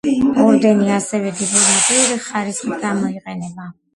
ორდენი ასევე დიპლომატიური ხარისხით გამოიყენება.